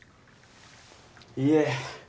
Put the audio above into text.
いえ。